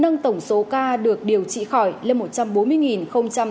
nâng tổng số ca được điều trị khỏi lên một trăm bốn mươi tám mươi bảy ca